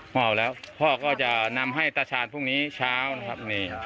หมอแล้วพ่อก็จะนำให้ตาชาญพรุ่งนี้เช้านะครับ